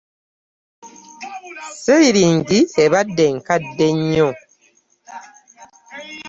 Ceiling ebadde nkadde nnyo.